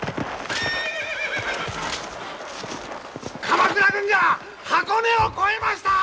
鎌倉軍が箱根を越えました！